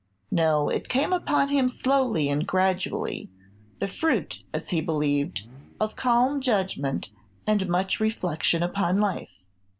No; it came upon him slowly and gradually, the fruit, as he believed, of calm judgment and much reflection upon life.